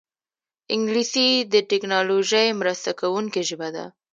انګلیسي د ټیکنالوژۍ مرسته کوونکې ژبه ده